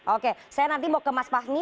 oke saya nanti mau ke mas fahmi